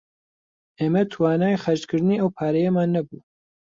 ئێمە توانای خەرچکردنی ئەو پارەیەمان نەبوو